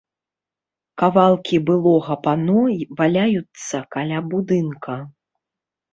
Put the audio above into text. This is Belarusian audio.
Кавалкі былога пано валяюцца каля будынка.